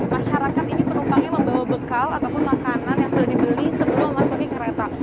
masyarakat ini penumpangnya membawa bekal ataupun makanan yang sudah dibeli sebelum masuknya kereta